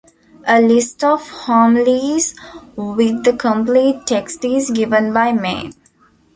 A list of homilies with the complete text is given by Mai.